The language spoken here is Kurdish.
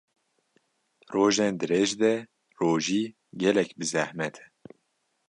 rojên dirêj de rojî gelek bi zehmet e